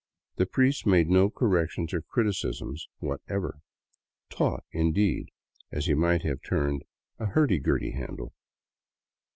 The priest made no corrections or criticisms whatever, " taught," indeed, as he might have turned a hurdy gurdy handle.